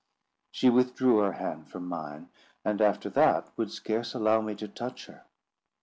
She withdrew her hand from mine, and after that would scarce allow me to touch her.